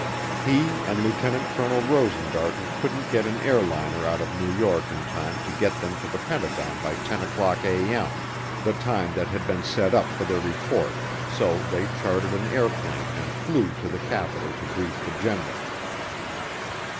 He and Lieutenant Colonel Rosengarten couldn't get an airliner out of New York in time to get them to the Pentagon by 10:00A.M., the time that had been set up for their report, so they chartered an airplane and flew to the capital to brief the general.